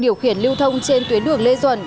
điều khiển lưu thông trên tuyến đường lê duẩn